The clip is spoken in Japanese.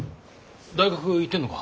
大学行ってんのか？